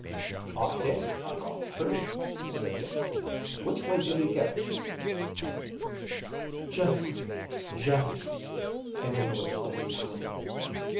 "I guess I got through," said Iimmi. "Which way do we go?" "Gentlemen, gentlemen," came a voice from behind them.